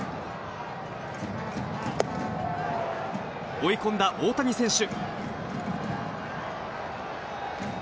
追い込んだ大谷選手。